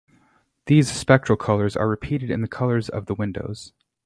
These spectral colors are repeated in the colors of the windows.